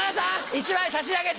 １枚差し上げて。